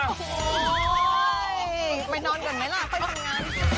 ไปนอนก่อนไหมล่ะไปทำงาน